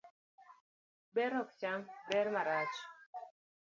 Ber ok cham ber marach